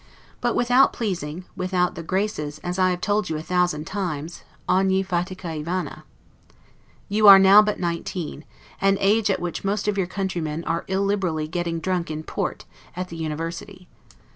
But without pleasing, without the graces, as I have told you a thousand times, 'ogni fatica e vana'. You are now but nineteen, an age at which most of your countrymen are illiberally getting drunk in port, at the university.